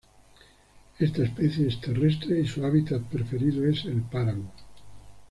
Esta especie es terrestre y su hábitat preferido es el páramo.